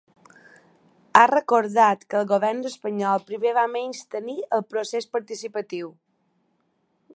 Ha recordat que el govern espanyol primer va menystenir el procés participatiu.